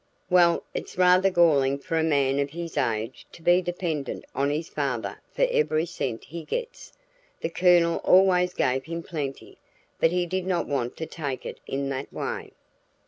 "Well, it's rather galling for a man of his age to be dependent on his father for every cent he gets. The Colonel always gave him plenty, but he did not want to take it in that way."